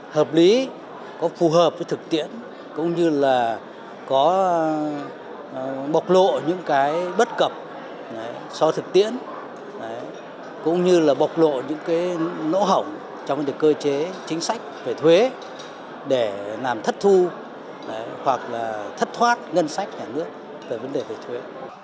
hợp lý phù hợp với thực tiễn bọc lộ những bất cập bọc lộ những nỗ hỏng trong cơ chế chính sách về thuế để thất thu hoặc thất thoát ngân sách về thuế